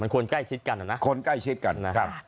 คนใกล้ชิดกันนะนะคนใกล้ชิดกันนะครับ